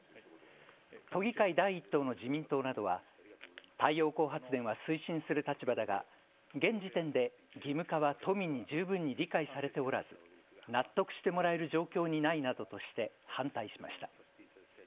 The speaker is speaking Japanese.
都議会第１党の自民党などは太陽光発電は推進する立場だが現時点で義務化は都民に十分に理解されておらず納得してもらえる状況にないなどとして反対しました。